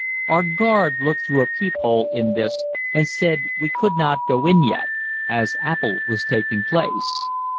Our guard looked through a peep hole in this and said we could not go in yet, as Appell was taking place.